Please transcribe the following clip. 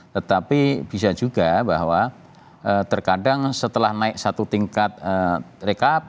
tetapi bisa juga bahwa terkadang setelah naik satu tingkat rekap